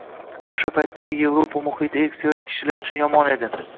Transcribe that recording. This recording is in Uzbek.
o‘sha paytdagi Yevropa muhiti erksevar kishilar uchun yomon edi.